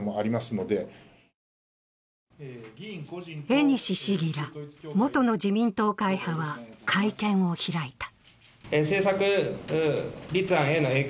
江西市議ら元の自民党会派は会見を開いた。